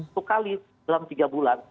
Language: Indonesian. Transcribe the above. sekali dalam tiga bulan